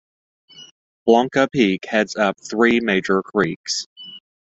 Blanca Peak heads up three major creeks.